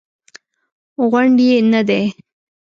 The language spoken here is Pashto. غونډ یې نه دی.